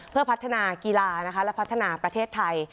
เพื่อพัฒนากีฬาและพัฒนาประเทศไทย